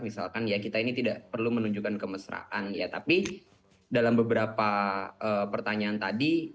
misalkan ya kita ini tidak perlu menunjukkan kemesraan ya tapi dalam beberapa pertanyaan tadi